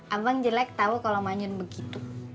abang jelek tau kalo manyun begitu